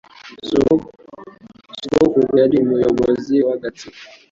Sogokuru yari umuyobozi w'agatsiko.